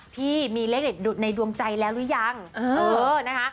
พี่มีเลขเด็ดในดวงใจแล้วหรือยังเออนะคะ